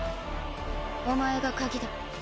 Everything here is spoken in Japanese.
お前が鍵だ。